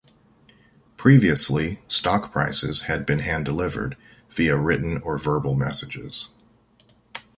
Previously, stock prices had been hand-delivered via written or verbal messages.